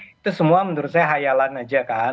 itu semua menurut saya hayalan aja kan